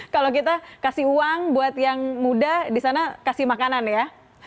kalau kita kasih uang buat yang muda di sana kasih makanan ya